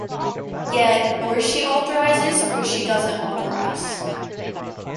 Yet or she authorizes, or she doesn’t authorize.